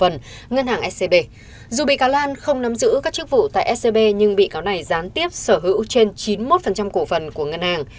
ngân hàng scb dù bị cáo lan không nắm giữ các chức vụ tại scb nhưng bị cáo này gián tiếp sở hữu trên chín mươi một cổ phần của ngân hàng